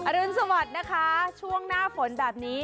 รุนสวัสดิ์นะคะช่วงหน้าฝนแบบนี้